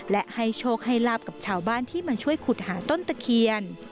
และให้โชคให้ลาบกับชาวบ้านที่มาช่วยขุดหาต้นตะเคียน